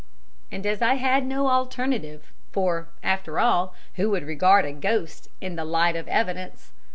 "And as I had no alternative for, after all, who would regard a ghost in the light of evidence?